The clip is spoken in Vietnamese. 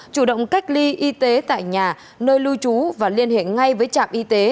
chủ động cách ly y tế tại nhà nơi lưu trú và liên hệ ngay với trạm y tế